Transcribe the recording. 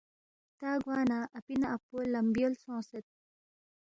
ہلتا گوا نہ اپی نہ اپو لم بیول سونگسید